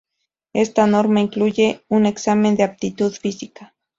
Esta norma incluye un Examen de Aptitud Física.